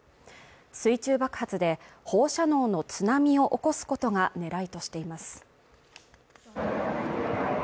水中爆発で放射能の津波を起こすことが狙いとしています。